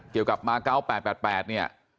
เกี่ยวกับมาเก้า๘๘๘เนี่ย